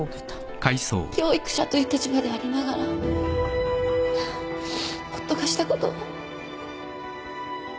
教育者という立場でありながら夫がしたことは